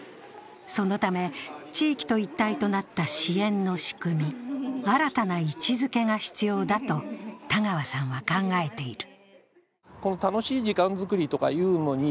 そのため地域と一体となった支援の仕組み、新たな位置づけが必要だと田川さんは考えている。